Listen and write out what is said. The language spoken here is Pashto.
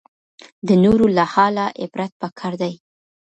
د نورو له حاله عبرت پکار دی